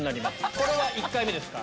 これは１回目ですか？